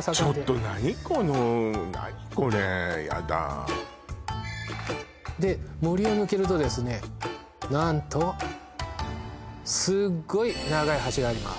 ちょっと何この何これやだで森を抜けるとですね何とすっごい長い橋があります